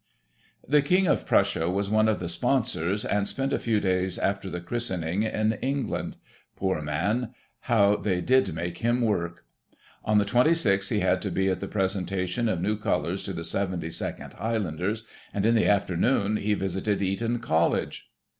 The King of Prussia was' one of the Sponsors, and spent a few days after the christening in England. Poor man ! how they did make him work! On the 26th he had to be at the presentation of new colours to the 72nd Highlanders, and, in the afternoon, he visited Eton College.